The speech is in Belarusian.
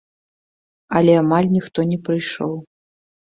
Але амаль ніхто не прыйшоў.